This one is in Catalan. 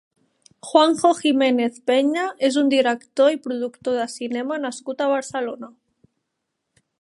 Juanjo Giménez Peña és un director i productor de cinema nascut a Barcelona.